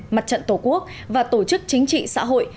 mặt trận tổ quốc và tổ chức chính trị xã hội